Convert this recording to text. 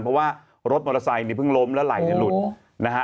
เพราะว่ารถมอเตอร์ไซค์นี่เพิ่งล้มแล้วไหลหลุดนะฮะ